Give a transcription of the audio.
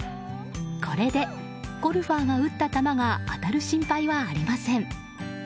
これでゴルファーの打った球が当たる心配はありません。